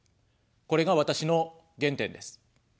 これが私の原点です。